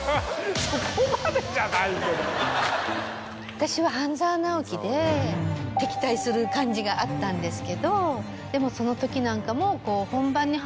私は『半沢直樹』で敵対する感じがあったんですけどでもその時なんかも。